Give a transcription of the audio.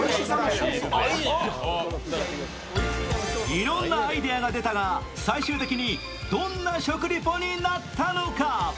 いろんなアイデアが出たが、最終的にどんな食リポになったのか。